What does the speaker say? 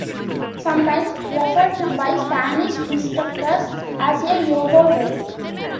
Sometimes referred to by Spanish instructors as a "Yo -go" verb.